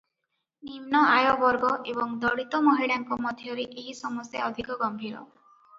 ନିମ୍ନ ଆୟବର୍ଗ ଏବଂ ଦଳିତ ମହିଳାଙ୍କ ମଧ୍ୟରେ ଏହି ସମସ୍ୟା ଅଧିକ ଗମ୍ଭୀର ।